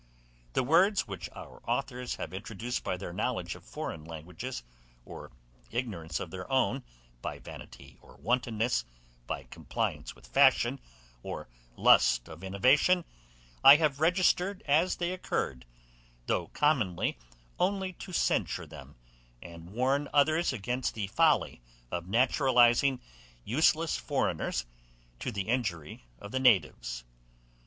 The words which our authours have introduced by their knowledge of foreign languages, or ignorance of their own, by vanity or wantonness, by compliance with fashion or lust of innovation, I have registred as they occurred, though commonly only to censure them, and warn others against the folly of naturalizing useless foreigners to the injury of the natives.